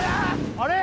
あれ？